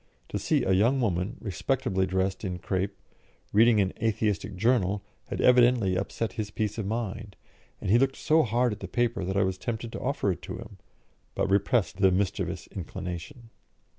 To see a young woman, respectably dressed in crape, reading an Atheistic journal, had evidently upset his peace of mind, and he looked so hard at the paper that I was tempted to offer it to him, but repressed the mischievous inclination.